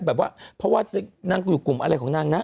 เพราะว่านางคนอยู่กลุ่มอะไรของนางนะ